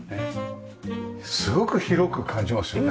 すごく広く感じますよね。